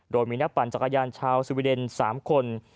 โดยมีนักปั่นจักรยานชาวสวีเดน๓คน